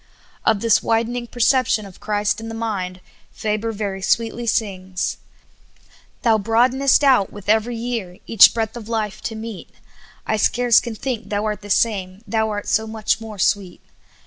Of this widening perception of Christ in the mind, Faber very sweetly sings :'' Thou broadenest out with every year, Each breadth of life to meet, I scarce can think Thou art the same, Thou art so much more sweet.